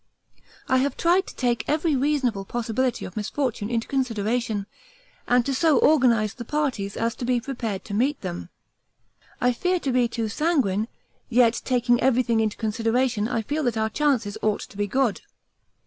I have tried to take every reasonable possibility of misfortune into consideration, and to so organise the parties as to be prepared to meet them. I fear to be too sanguine, yet taking everything into consideration I feel that our chances ought to be good.